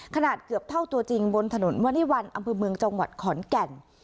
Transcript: ขนาดเกือบเท่าตัวจริงบนถนนวริวัลอำเภอเมืองจังหวัดขอนแก่น